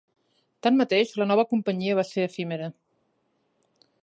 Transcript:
Tanmateix, la nova companyia va ser efímera.